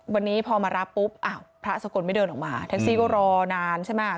วันนี้พอมารับปุ๊บอ้าวพระสกลไม่เดินออกมาแท็กซี่ก็รอนานใช่ไหม